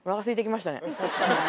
確かにね。